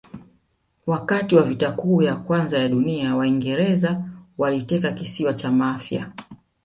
wakati wa vita kuu ya kwanza ya dunia waingereza waliteka kisiwa cha mafia